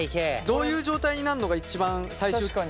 どういう状態になるのが一番最終的な。